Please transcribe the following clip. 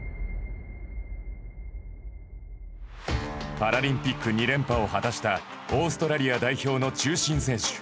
パラリンピック２連覇を果たしたオーストラリア代表の中心選手。